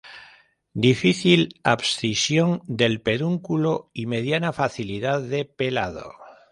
Difícil abscisión del pedúnculo y mediana facilidad de pelado.